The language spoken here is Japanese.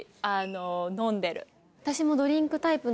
私も。